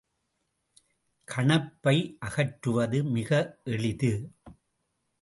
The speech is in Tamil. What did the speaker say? கணப்பை அகற்றுவது மிக எளிது.